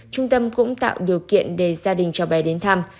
trung tâm cũng tạo điều kiện để gia đình cháu bé đến thăm